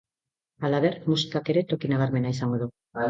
Halaber, musikak ere toki nabarmena izango du.